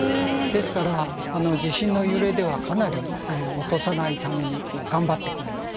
ですから地震の揺れではかなり落とさないために頑張ってくれます。